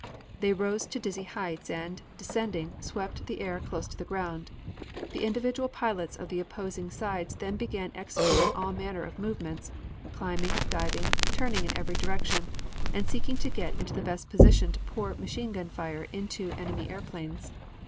They rose to dizzy heights, and, descending, swept the air close to the ground. The individual pilots of the opposing sides then began executing all manner of movements, climbing, diving, turning in every direction, and seeking to get into the best position to pour machine gun fire into enemy airplanes.